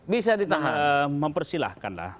bisa ditahan mempersilahkan lah